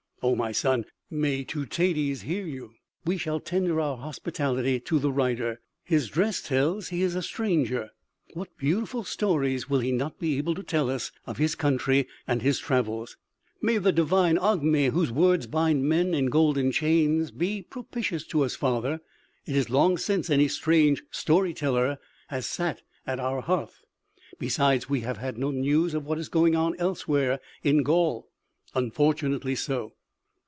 "Oh, my son, may Teutates hear you! We shall tender our hospitality to the rider. His dress tells he is a stranger. What beautiful stories will he not be able to tell us of his country and his travels!" "May the divine Ogmi, whose words bind men in golden chains, be propitious to us, father! It is long since any strange story teller has sat at our hearth." "Besides, we have had no news of what is going on elsewhere in Gaul." "Unfortunately so!"